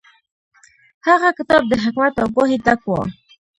هغه کتاب د حکمت او پوهې ډک و.